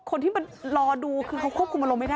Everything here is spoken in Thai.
คนที่มันรอดูคือเขาควบคุมอารมณ์ไม่ได้